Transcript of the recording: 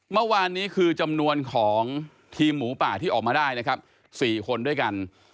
เมื่อวานนี้คือจำนวนของทีมหมูป่าที่ออกมาได้นะครับ๔คนด้วยกัน